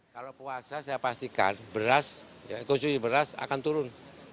kalau puasa saya pastikan beras konsumsi beras akan turun